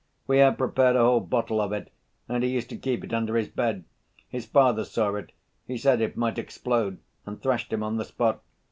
"We had prepared a whole bottle of it and he used to keep it under his bed. His father saw it. He said it might explode, and thrashed him on the spot.